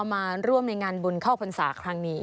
มาร่วมในงานบุญเข้าพรรษาครั้งนี้